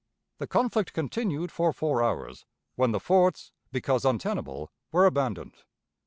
The conflict continued for four hours, when the forts, because untenable, were abandoned.